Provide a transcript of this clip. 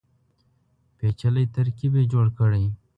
پېچلی ترکیب یې جوړ کړی دی.